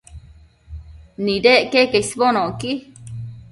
Nidec queque isbonocqui